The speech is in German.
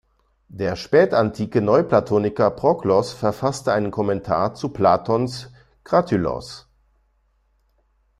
Der spätantike Neuplatoniker Proklos verfasste einen Kommentar zu Platons "Kratylos".